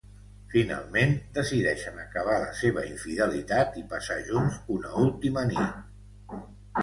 Finalment decideixen acabar la seva infidelitat i passar junts una última nit.